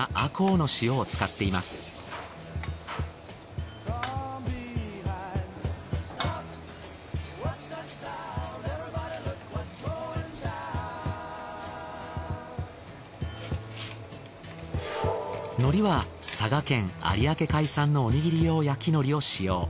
のりは佐賀県有明海産のおにぎり用焼きのりを使用。